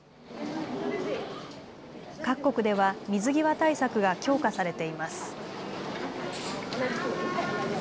各国では水際対策が強化されています。